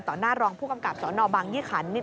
ต่อน่ารองผู้กำกาบสอนอบางยี่ขัน